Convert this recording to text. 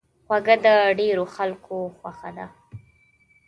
خوږه د ډېرو خلکو خوښه ده.